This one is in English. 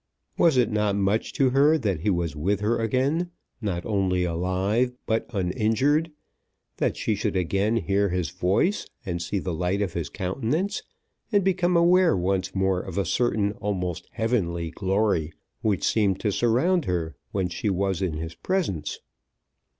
Was it not much to her that he was with her again, not only alive, but uninjured, that she should again hear his voice, and see the light of his countenance, and become aware once more of a certain almost heavenly glory which seemed to surround her when she was in his presence?